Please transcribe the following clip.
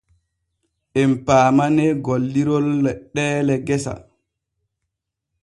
Em paamanee golliron leɗɗeele gesa.